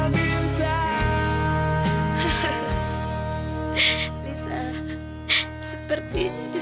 dewa sudah lihat sepuluh kali